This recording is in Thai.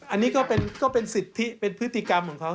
อันนี้ก็เป็นสิทธิเป็นพฤติกรรมของเขา